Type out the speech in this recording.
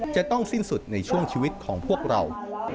จะต้องสิ้นสุดในช่วงชีวิตของพวกเรา